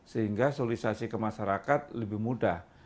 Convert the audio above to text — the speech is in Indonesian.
sehingga sosialisasi ke masyarakat lebih mudah